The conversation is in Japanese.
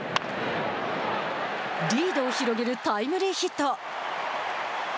リードを広げるタイムリーヒット。